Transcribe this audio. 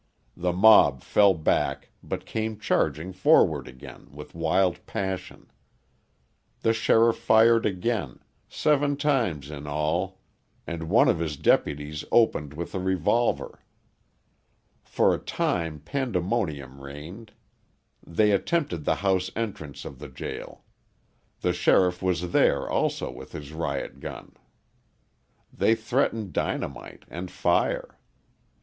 The mob fell back but came charging forward again, wild with passion. The sheriff fired again, seven times in all, and one of his deputies opened with a revolver. For a time pandemonium reigned; they attempted the house entrance of the jail; the sheriff was there also with his riot gun; they threatened dynamite and fire.